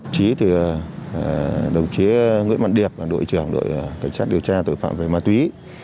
chỉ từ đồng chí nguyễn văn điệp đội trưởng đội cảnh sát điều tra tội phạm về ma túy